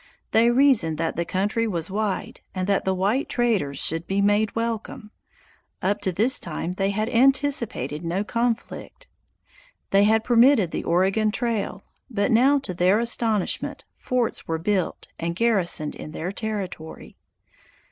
They reasoned that the country was wide, and that the white traders should be made welcome. Up to this time they had anticipated no conflict. They had permitted the Oregon Trail, but now to their astonishment forts were built and garrisoned in their territory.